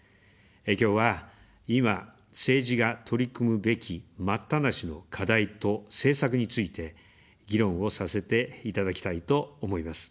きょうは、今、政治が取り組むべき待ったなしの課題と政策について、議論をさせていただきたいと思います。